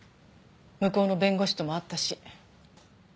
向こうの弁護士とも会ったし。